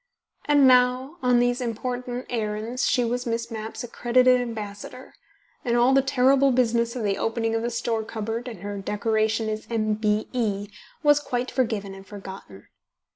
And now, on these important errands she was Miss Mapp's accredited ambassador, and all the terrible business of the opening of the store cupboard and her decoration as M.B.E. was quite forgiven and forgotten.